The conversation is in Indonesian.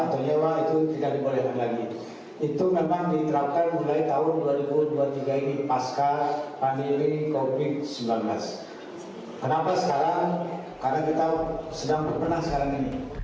kenapa sekarang karena kita sedang berpenas sekarang ini